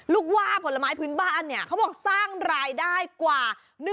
ว่าผลไม้พื้นบ้านเนี่ยเขาบอกสร้างรายได้กว่า